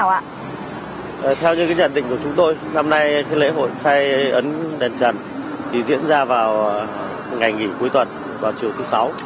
thưa đồng chí theo như nhận định của chúng tôi năm nay lễ hội khai ấn đền trần diễn ra vào ngày nghỉ cuối tuần vào chiều thứ sáu